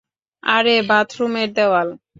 আরে বাথরুমের দেয়াল।